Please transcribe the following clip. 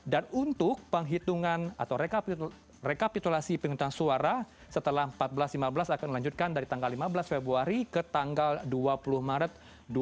dan untuk penghitungan atau rekapitulasi penghitungan suara setelah empat belas lima belas akan dilanjutkan dari tanggal lima belas februari ke tanggal dua puluh maret dua ribu dua puluh empat